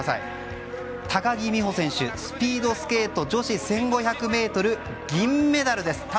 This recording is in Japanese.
高木美帆選手スピードスケート女子１５００ｍ銀メダルです。